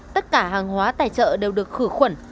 tất cả hàng hóa tài trợ đều được khử khuẩn